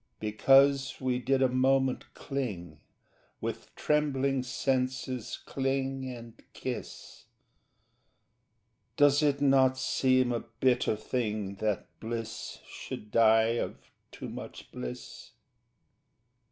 Because we did a moment cling, With trembling senses cling and kiss Does it not seem a bitter thing That bliss should die of too much bliss?